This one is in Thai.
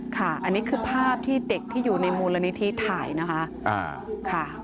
ค่ะอันนี้คือภาพที่เด็กที่อยู่ในมูลนิธิถ่ายนะคะ